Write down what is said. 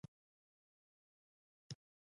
کتابچه کې لیکنه ولیدل شوه.